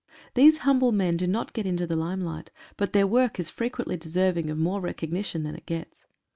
These humble men do not get into the limelight, but their work is frequently deserving of more recognition than it gets.